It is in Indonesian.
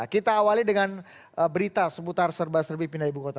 kita awali dengan berita seputar serba serbi pindah ibu kota